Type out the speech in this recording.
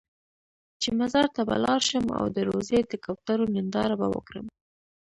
چې مزار ته به لاړ شم او د روضې د کوترو ننداره به وکړم.